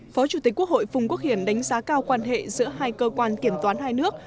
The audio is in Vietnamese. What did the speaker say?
phó chủ tịch quốc hội phùng quốc hiển đánh giá cao quan hệ giữa hai cơ quan kiểm toán hai nước